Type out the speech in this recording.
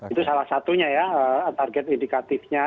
itu salah satunya ya target indikatifnya